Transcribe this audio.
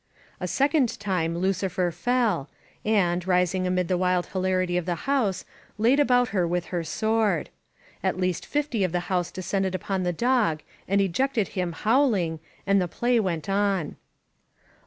A second time Lucifer fell, and, rising amid the wild hilarity of the house, laid about her with her sword. At least fifty of the audience descended upon the dog and ejected him howling, and the play went on.